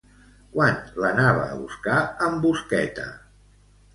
Quan l'anava a buscar en Busqueta?